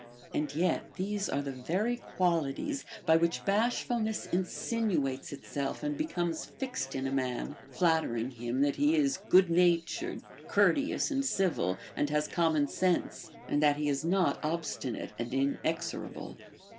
And yet these are the very qualities by which bashfulness insinuates itself and becomes fixed in a man, flattering him that he is good natured, courteous, and civil, and has common sense, and that he is not obstinate and inexorable.